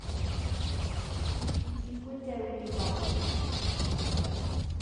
Bydd hi'n Ddydd Gŵyl Dewi fory.